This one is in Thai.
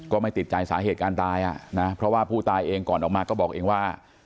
ก็ไม่ติดใจสาเหตุการตายอ่ะนะเพราะว่าผู้ตายเองก่อนออกมาก็บอกเองว่า